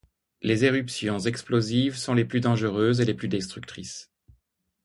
Les éruptions explosives sont les plus dangereuses et les plus destructrices.